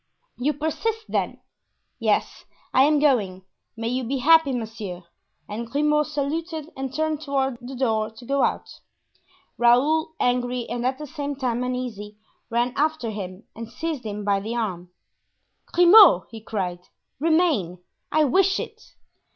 "You persist, then?" "Yes, I am going; may you be happy, monsieur," and Grimaud saluted and turned toward the door to go out. Raoul, angry and at the same time uneasy, ran after him and seized him by the arm. "Grimaud!" he cried; "remain; I wish it."